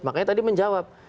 makanya tadi menjawab